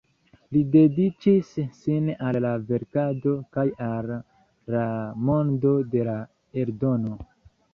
Li dediĉis sin al la verkado kaj al la mondo de la eldono.